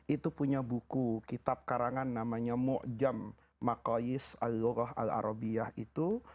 itu punya buku kitab karangan namanya mu'jam maqayyis al lugh al arabiyah itu